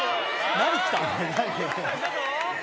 何が来たの？